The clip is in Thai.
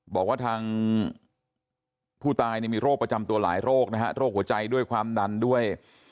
บอกว่าทางผู้ตายมีโรคประจำตัวหลายโรคนะฮะโรคหัวใจด้วยความดันด้วย